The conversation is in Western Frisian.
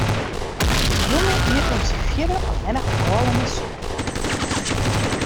De jonge iet oant syn fjirde allinnich bôle mei sûker.